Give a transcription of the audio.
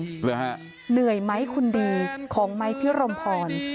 หรือฮะเหนื่อยไหมคุณดีของไม้พิรมพร